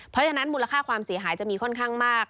เพราะฉะนั้นมูลค่าความเสียหายจะมีค่อนข้างมาก